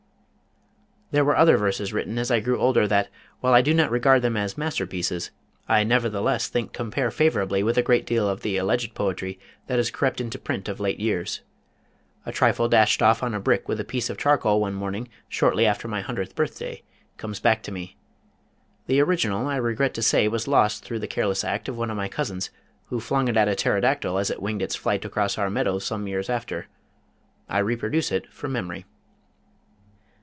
There were other verses written as I grew older that, while I do not regard them as masterpieces, I nevertheless think compare favorably with a great deal of the alleged poetry that has crept into print of late years. A trifle dashed off on a brick with a piece of charcoal one morning shortly after my hundredth birthday, comes back to me. The original I regret to say was lost through the careless act of one of my cousins, who flung it at a pterodactyl as it winged its flight across our meadows some years after. I reproduce it from memory.